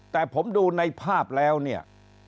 แต่ผมดูในภาพแล้วเนี่ย